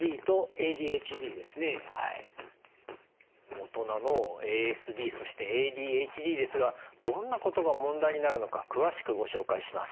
大人のＡＳＤそしてＡＤＨＤですがどんなことが問題になるのか詳しくご紹介します。